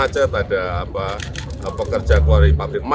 gubernur jawa barat